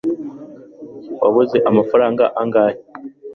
wabuze amafaranga angahe